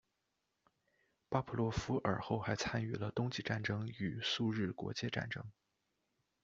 巴甫洛夫尔后还参与了冬季战争与苏日国界战争。